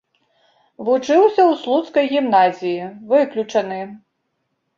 Вучыўся ў слуцкай гімназіі, выключаны.